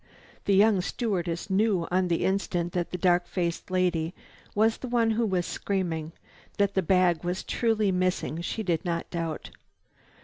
The young stewardess knew on the instant that the dark faced lady was the one who was screaming. That the bag was truly missing she did not doubt.